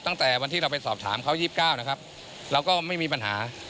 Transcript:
ตั้งแต่วันที่เราไปสอบถามเขา๒๙นะครับเราก็ไม่มีปัญหา